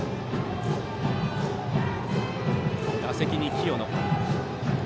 打席に清野。